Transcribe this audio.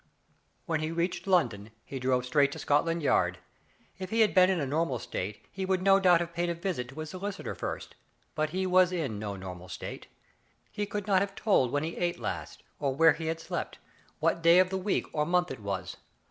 When he reached London he drove straight to Scotland Yard. If he had been in a normal state he would no doubt have paid a visit to his solic itors first, but he was in no normal state. He could not have told when he ate last, or where he had slept ; what day of the week or month it was.